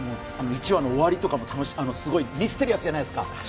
１話の終わりとかもすごいミステリアスじゃないですか。